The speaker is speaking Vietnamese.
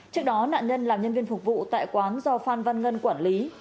trước đó nạn nhân làm nhân viên phục vụ tại quán do phan văn ngân quản lý